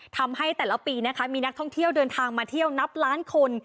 ทำให้แต่ละปีนะคะมีนักท่องเที่ยวเดินทางมาเที่ยวนับล้านคน